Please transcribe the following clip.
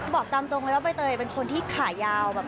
บอกตามตรงเลยว่าใบเตยเป็นคนที่ขายาวแบบ